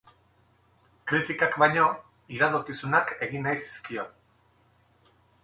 Kritikak baino, iradokizunak egin nahi zizkion.